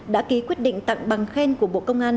đã ký quyết định tặng bằng khen của bộ công an